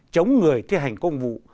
chống người thi hành công vụ